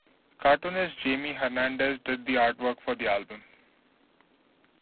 Cartoonist Jaime Hernandez did the artwork for the album.